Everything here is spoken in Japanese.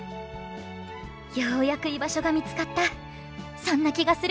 「ようやく居場所が見つかったそんな気がする」。